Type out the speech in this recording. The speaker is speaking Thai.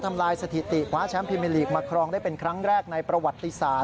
ทำลายสถิติคว้าแชมป์พรีเมอร์ลีกมาครองได้เป็นครั้งแรกในประวัติศาสต